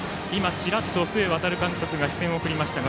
チラッと須江航監督が視線を送りましたが